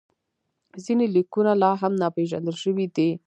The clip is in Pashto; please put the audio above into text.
ځینې لیکونه لا هم ناپېژندل شوي دي.